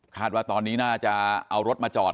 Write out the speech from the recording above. ว่าตอนนี้น่าจะเอารถมาจอด